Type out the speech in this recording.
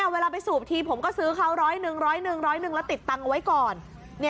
เวลาไปสูบทีผมก็ซื้อเขาร้อยหนึ่งร้อยหนึ่งร้อยหนึ่งแล้วติดตังค์ไว้ก่อน